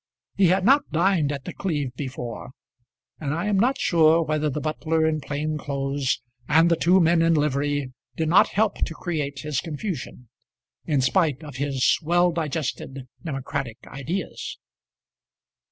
He had not dined at The Cleeve before, and I am not sure whether the butler in plain clothes and the two men in livery did not help to create his confusion, in spite of his well digested democratic ideas.